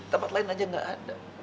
tempat lain aja nggak ada